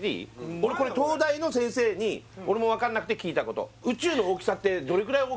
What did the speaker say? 俺これ東大の先生に俺も分かんなくて聞いたことああああああ